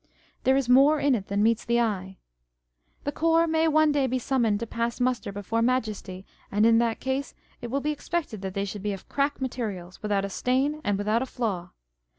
There is more in it than meets the eye. The corps may one day be sum moned to pass muster before Majesty, and in that case it will be expected that they should be of crack materials, without a stain and without a flaw.